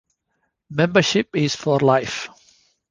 Membership is for life.